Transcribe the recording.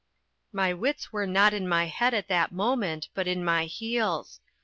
My wits were not in my head at that moment, but in my heels.